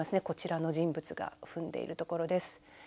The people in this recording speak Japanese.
こちらの人物が踏んでいるところです。